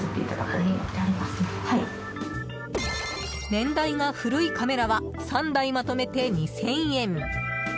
年代が古いカメラは３台まとめて２０００円。